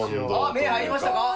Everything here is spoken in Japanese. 目に入りましたよ。